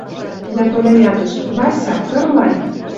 Дӓ Толя ядеш: «Вася, тырлай